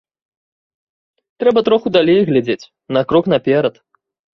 Трэба троху далей глядзець, на крок наперад.